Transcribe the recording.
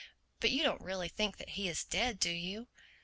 But you don't really think that he is dead, do you?"